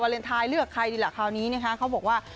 วาเลนไทยเลือกใครดีแหละคราวนี้เนี่ยค่ะเขาบอกว่า